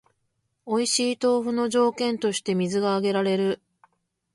おいしい豆腐の条件として水が挙げられる